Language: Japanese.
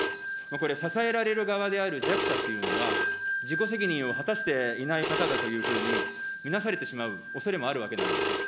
これ、支えられる側である弱者っていうのは、自己責任を果たしていない方だというふうに見なされてしまうおそれもあるわけなんです。